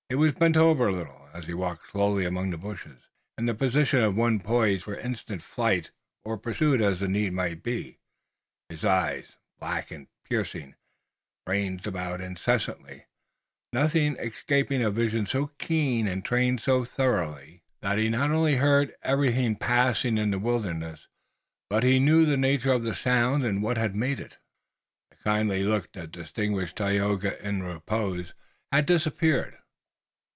He was bent over a little, as he walked slowly among the bushes, in the position of one poised for instant flight or pursuit as the need might be. His eyes, black and piercing, ranged about incessantly, nothing escaping a vision so keen and trained so thoroughly that he not only heard everything passing in the wilderness, but he knew the nature of the sound, and what had made it. The kindly look that distinguished Tayoga in repose had disappeared.